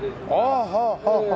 ああはあはあ。